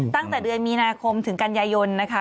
ตั้งแต่เดือนมีนาคมถึงกันยายนนะคะ